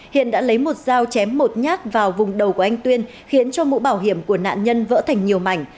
hiện đã lấy một dao chém một nhát vào vùng đầu của anh tuyên khiến cho mũ bảo hiểm của nạn nhân vỡ thành nhiều mảnh